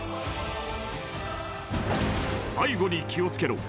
背後に気を付けろ！